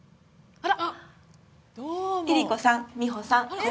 あら！